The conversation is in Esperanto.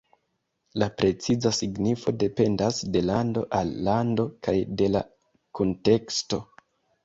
La preciza signifo dependas de lando al lando kaj de la kunteksto.